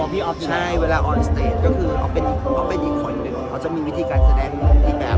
พี่เอาพี่ออฟเป็นอีกคนเขาจะมีวิธีการแสดงอีกแบบ